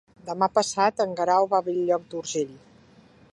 Demà passat en Guerau va a Bell-lloc d'Urgell.